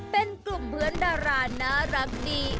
เป็นกลุ่มเพื่อนดาราน่ารักดี